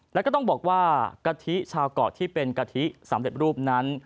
แล้วก็ต้องบอกว่ากะทิชาวเกาะที่เป็นกะทิสำเร็จรูปนั้น